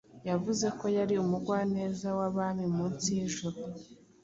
Yavuze ko yari umugwaneza wabami munsi yijuru